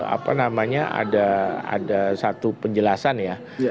apa namanya ada satu penjelasan ya